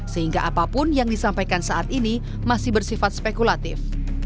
sehingga apapun yang disampaikan saat ini masih bersifat spekulatif